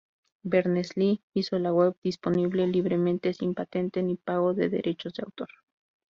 Berners-Lee hizo la Web disponible libremente sin patentes ni pago de derechos de autor.